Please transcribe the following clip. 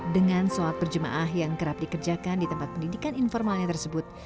dengan sholat berjemaah yang kerap dikerjakan di tempat pendidikan informalnya tersebut